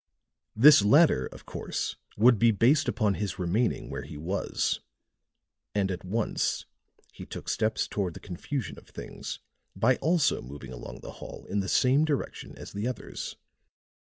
This latter, of course, would be based upon his remaining where he was; and at once he took steps toward the confusion of things by also moving along the hall in the same direction as the others.